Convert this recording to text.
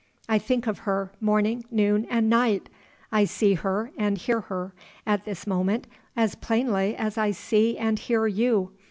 I think of her, morning, noon, and night. I see her and hear her, at this moment, as plainly as I see and hear you.